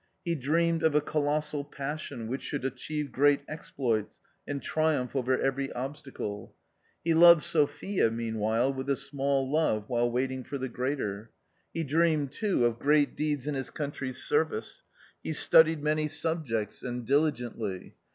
He dreamed ! of a colossal passion which should achieve great exploits and . triumph over every obstacle. He loved Sophia meanwhile with a small love while waiting jbr thegreater. He dreamed, too, of great deeds in his country'sservice. He studied many subjects and diligently.